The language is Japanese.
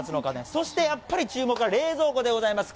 そして、やっぱり注目は冷蔵庫でございます。